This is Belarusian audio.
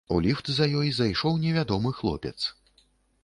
У ліфт за ёй зайшоў невядомы хлопец.